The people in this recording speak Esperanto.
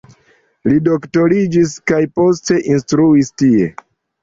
Li doktoriĝis kaj poste instruis tie.